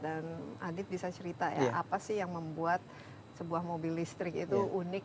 dan adit bisa cerita ya apa sih yang membuat sebuah mobil listrik itu unik